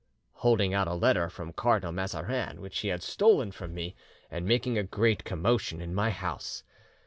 holding out a letter from Cardinal Mazarin which he had stolen from me, and making a great commotion in my house.